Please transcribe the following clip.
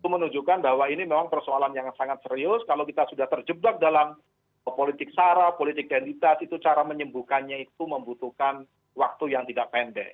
itu menunjukkan bahwa ini memang persoalan yang sangat serius kalau kita sudah terjebak dalam politik sara politik identitas itu cara menyembuhkannya itu membutuhkan waktu yang tidak pendek